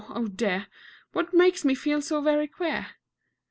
Oh dear! What makes me feel so very queer?